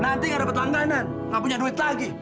nanti gak dapat langganan nggak punya duit lagi